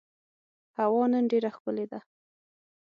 هوا نن ډېره ښکلې ده.